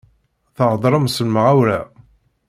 Theddṛem s lemɣawla.